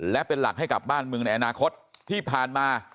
และเป็นหลักให้กับบ้านเมืองในอนาคตที่ผ่านมา